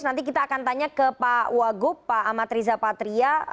nanti kita akan tanya ke pak wagup pak amat riza patria